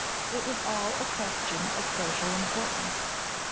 It was all a question of social importance.